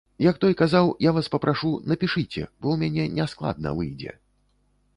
Як той казаў, я вас папрашу, напішыце, бо ў мяне няскладна выйдзе.